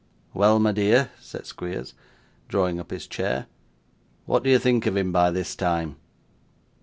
'Well, my dear,' said Squeers, drawing up his chair, 'what do you think of him by this time?